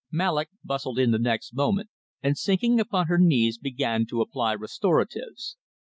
Mallock bustled in the next moment, and sinking upon her knees began to apply restoratives.